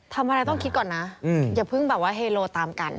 ทำอะไรต้องคิดก่อนนะอย่าเพิ่งแบบว่าเฮโลตามกัน